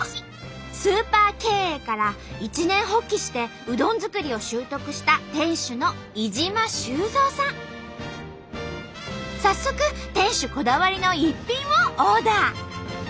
スーパー経営から一念発起してうどん作りを習得した早速店主こだわりの一品をオーダー。